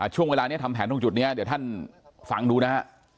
ช่วงเวลานี้ทำแผนตรงจุดนี้เดี๋ยวท่านฟังดูนะฮะ